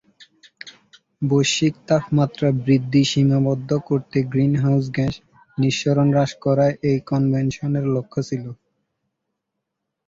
বৈশ্বিক তাপমাত্রা বৃদ্ধি সীমাবদ্ধ করতে গ্রিনহাউস গ্যাস নিঃসরণ হ্রাস করা এই কনভেনশনের লক্ষ্য ছিল।